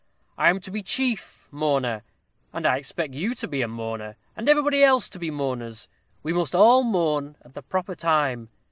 I am to be chief mourner and I expect you to be a mourner and everybody else to be mourners. We must all mourn at the proper time.